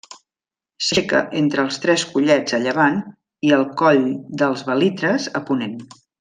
S'aixeca entre els Tres Collets a llevant i el coll dels Belitres a ponent.